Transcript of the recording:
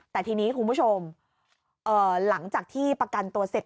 แต่ทีนี้คุณผู้ชมหลังจากที่ประกันตัวเสร็จ